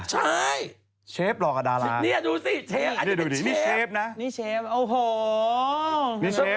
จากกระแสของละครกรุเปสันนิวาสนะฮะ